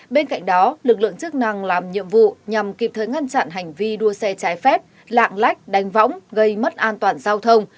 bên cạnh đó lực lượng chức năng làm nhiệm vụ nhằm kịp thời ngăn chặn hành vi đua xe trái phép lạng lách đánh võng gây mất an toàn giao thông